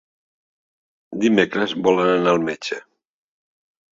Dimecres volen anar al metge.